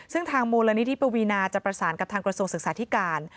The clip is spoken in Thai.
ซึ่งทางมูลนิธิปวีนาจะประสานกับทางกระทรวงศึกษาธิการ